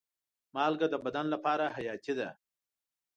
مالګه د بدن لپاره حیاتي ده.